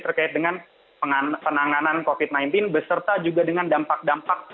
terkait dengan penanganan covid sembilan belas beserta juga dengan dampak dampak